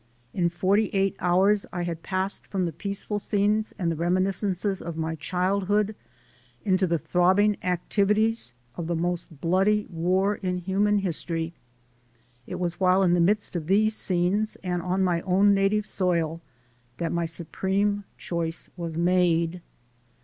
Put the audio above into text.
In forty eight hours I had passed from the peaceful scenes and the reminiscences of my childhood into the throbbing activities of the most bloody war in human history. It was while in the midst of these scenes and on my own native soil, that my supreme choice was made.